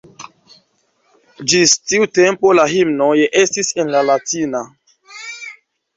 Ĝis tiu tempo la himnoj estis en la latina.